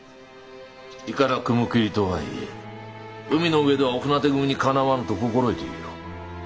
いかな雲霧とはいえ海の上では御船手組にかなわぬと心得ていよう。